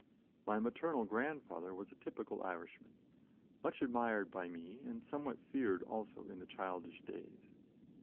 My maternal grandfather was a typical Irishman, much admired by me and somewhat feared also, in the childish days.